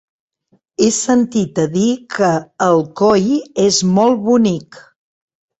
He sentit a dir que Alcoi és molt bonic.